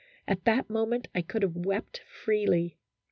At that moment I could have wept freely.